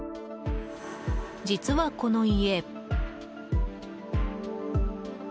実は、この家。